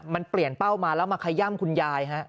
มันเปลี่ยนเป้ามาแล้วมาขย่ำคุณยายฮะ